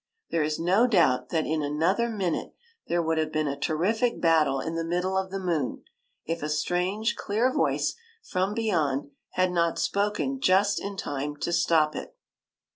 There is no doubt that in another min ute there would have been a terrific battle in the middle of the moon, if a strange, clear voice from beyond had not spoken just in time to stop it.